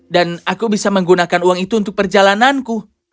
dan aku bisa menggunakan uang itu untuk perjalananku